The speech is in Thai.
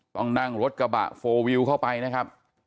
ต้องนั่งรถกระบะโฟลวิวเข้าไปนะครับ